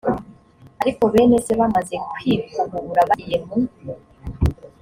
ariko bene se bamaze kwikubura bagiye mu